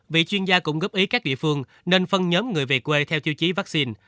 vị chuyên gia cũng góp ý các địa phương nên phân nhóm người về quê theo tiêu chí vaccine